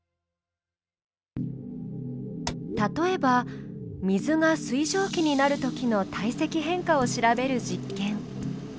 例えば水が水蒸気になるときの体積変化を調べる実験。